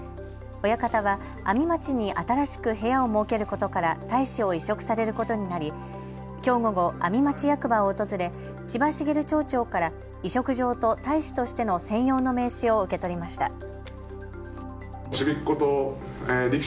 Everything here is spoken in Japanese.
親方は阿見町に新しく部屋を設けることから大使を委嘱されることになりきょう午後、阿見町役場を訪れ千葉繁町長から委嘱状と大使としての専用の名刺を受け取りました。